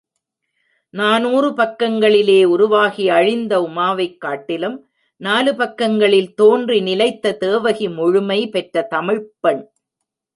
நானூறு பக்கங்களிலே உருவாகி அழிந்த உமாவைக் காட்டிலும், நாலு பக்கங்களில் தோன்றி நிலைத்த தேவகி முழுமை பெற்ற தமிழ்ப்பெண்!